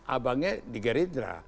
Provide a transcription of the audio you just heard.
abangnya di gerindra